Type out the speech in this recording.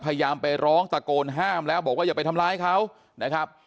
พยายามไปร้องตะโกนห้ามแล้วบอกว่าอย่าไปทำร้ายเขานะครับ